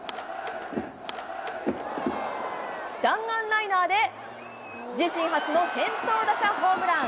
弾丸ライナーで、自身初の先頭打者ホームラン。